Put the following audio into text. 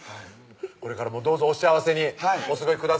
これからもどうぞお幸せにお過ごしください